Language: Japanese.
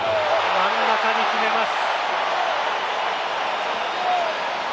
真ん中に決めます。